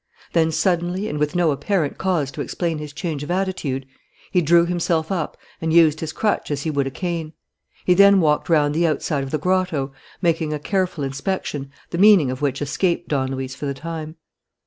Then suddenly and with no apparent cause to explain his change of attitude, he drew himself up and used his crutch as he would a cane. He then walked round the outside of the grotto, making a careful inspection, the meaning of which escaped Don Luis for the time.